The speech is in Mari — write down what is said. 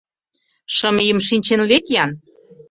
Шым ийым шинчен лек-ян!